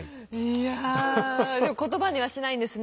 いやでも言葉にはしないんですね。